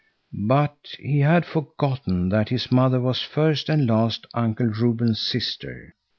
But he had forgotten that his mother was first and last Uncle Reuben's sister.